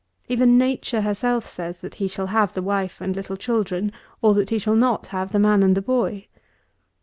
Even Nature herself says, that he shall have the wife and little children, or that he shall not have the man and the boy.